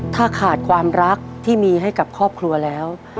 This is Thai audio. ถ้าขาดความรักที่มีให้กับครอบครัวแล้ว